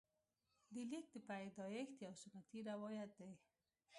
د لیک د پیدایښت یو سنتي روایت دی.